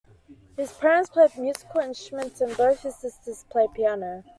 His parents played musical instruments and both his sisters played piano.